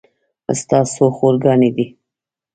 ستا څو خور ګانې دي